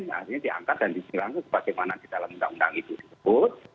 akhirnya diangkat dan disilangkan sebagaimana di dalam undang undang itu disebut